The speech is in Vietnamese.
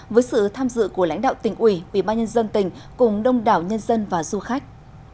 với sự tham dự của lãnh đạo tỉnh ủy bí ba nhân dân tỉnh cùng đông đảo nhân dân và du khách